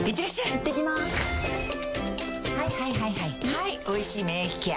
はい「おいしい免疫ケア」